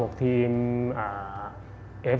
เพราะเราก็เข้ารอบ๑๖ทีม